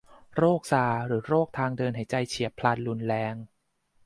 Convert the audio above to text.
โรคซาร์สหรือโรคทางเดินหายใจเฉียบพลันรุนแรง